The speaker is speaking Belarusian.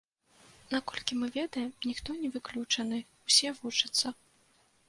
Наколькі мы ведаем, ніхто не выключаны, усе вучацца.